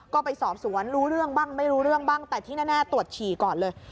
ก็ไปสอบสวนรู้เรื่องบ้างไม่รู้เรื่องบ้างแต่ที่แน่ตรวจฉี่ก่อนเลย